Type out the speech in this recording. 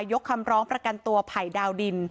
ยกคำร้องประกันตัวไผ่ดาวดิน